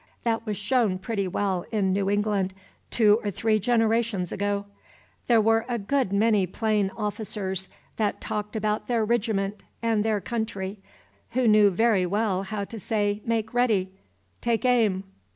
That was shown pretty well in New England two or three generations ago. There were a good many plain officers that talked about their "rigiment" and their "caounty" who knew very well how to say "Make ready!" "Take aim!"